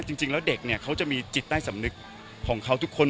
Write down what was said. เกิดจริงเด็กเขาจะมีจิตใต้สำนึกของเขาทุกคน